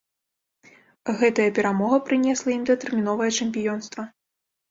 Гэтая перамога прынесла ім датэрміновае чэмпіёнства.